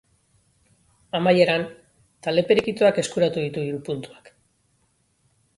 Amaieran, talde perikitoak eskuratu ditu hiru puntuak.